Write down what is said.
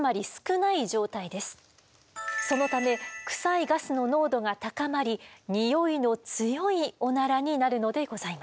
そのためクサいガスの濃度が高まりにおいの強いオナラになるのでございます。